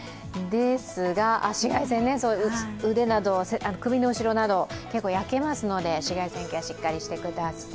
紫外線、腕など、首の後ろなど結構焼けますので紫外線ケアしっかりしてください。